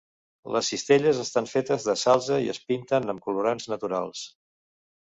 Les cistelles estan fetes de salze i es pinten amb colorants naturals.